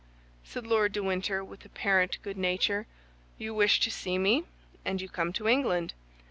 said Lord de Winter, with apparent good nature. "You wish to see me, and you come to England.